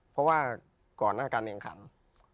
เพราะว่าก่อนหน้าการแข่งขัน